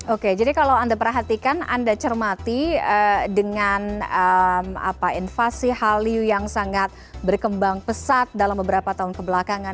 oke jadi kalau anda perhatikan anda cermati dengan invasi hallyu yang sangat berkembang pesat dalam beberapa tahun kebelakangan